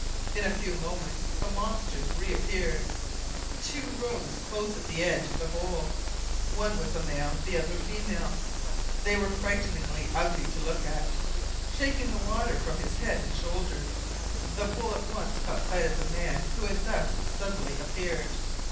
In a few moments the monsters reappeared. Two rose close at the edge of the hole; one was a male, the other a female. They were frightfully ugly to look at. Shaking the water from his head and shoulders, the bull at once caught sight of the man who had thus suddenly appeared.